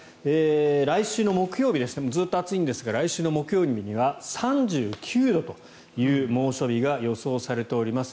来週の木曜日ですがずっと暑いんですが来週の木曜日には３９度という猛暑日が予想されております。